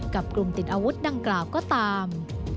กับกลุ่มติดอาวุธดังกราบก็ตาม